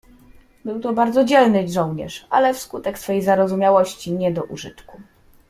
"Był to bardzo dzielny żołnierz, ale wskutek swej zarozumiałości nie do użytku."